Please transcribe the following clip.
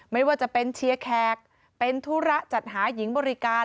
ไม่ว่าจะเป็นเชียร์แขกเป็นธุระจัดหาหญิงบริการ